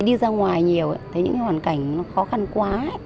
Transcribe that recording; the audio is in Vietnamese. đi ra ngoài nhiều thấy những hoàn cảnh khó khăn quá